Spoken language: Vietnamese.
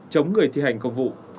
chống người thi hành công vụ